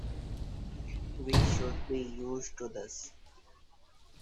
We should be used to this.